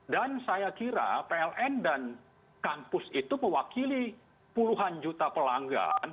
dan saya kira pln dan kampus itu mewakili puluhan juta pelanggan